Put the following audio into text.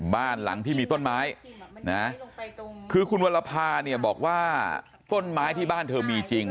บ้านหลังที่มีต้นไม้นะคือคุณวรภาเนี่ยบอกว่าต้นไม้ที่บ้านเธอมีจริง